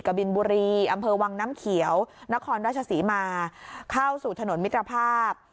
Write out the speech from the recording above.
กบินบุรีอำเภอวังน้ำเขียวนครราชศรีมาเข้าสู่ถนนมิตรภาพ